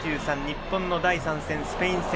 日本の第３戦、スペイン戦。